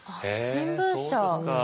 新聞社。